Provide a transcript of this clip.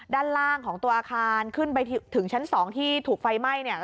ด้านล่างของตัวอาคารขึ้นไปถึงชั้น๒ที่ถูกไฟไหม้เนี่ย